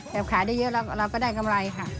ขายได้เยอะแล้วเราก็ได้กำไรค่ะ